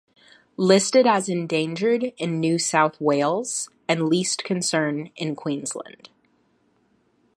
Listed as endangered in New South Wales and least concern in Queensland.